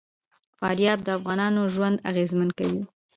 فاریاب د افغانانو ژوند اغېزمن کوي.